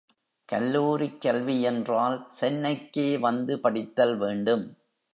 கல்லூரிக் கல்வி யென்றால் சென்னைக்கே வந்து படித்தல் வேண்டும்.